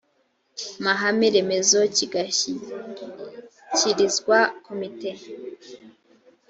mahame remezo kigashyikirizwa komite